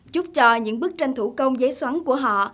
và những bức tranh thủ công giấy xóng của họ